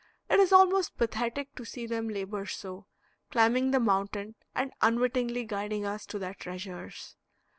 It is almost pathetic to see them labor so, climbing the mountain and unwittingly guiding us to their treasures.